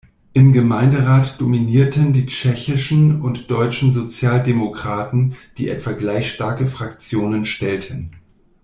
Im Gemeinderat dominierten die Tschechischen und Deutschen Sozialdemokraten, die etwa gleich starke Fraktionen stellten.